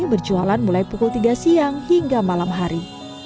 berjualan mulai pukul tiga siang hingga malam hari